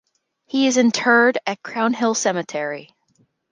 He is interred at Crown Hill Cemetery.